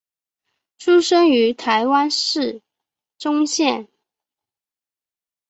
出生于台湾台中县。